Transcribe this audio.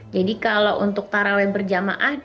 jadi kalau untuk taraweb berjamaah